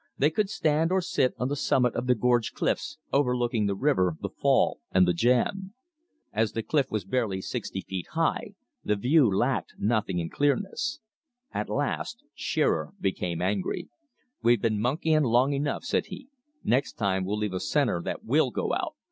They could stand or sit on the summit of the gorge cliffs, overlooking the river, the fall, and the jam. As the cliff was barely sixty feet high, the view lacked nothing in clearness. At last Shearer became angry. "We've been monkeying long enough," said he. "Next time we'll leave a center that WILL go out.